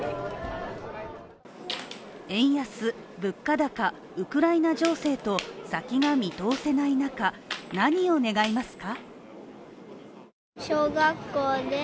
円安・物価高・ウクライナ情勢と先が見通せない中、何を願いますか？